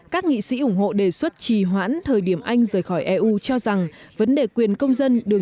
các nghị sĩ ủng hộ đề xuất trì hoãn thời điểm anh rời khỏi eu cho rằng vấn đề quyền công dân đường